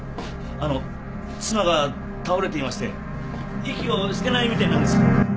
あの妻が倒れていまして息をしてないみたいなんです